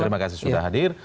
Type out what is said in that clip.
terima kasih sudah hadir